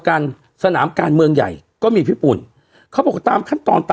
ก็เป็นคนที่ส่ง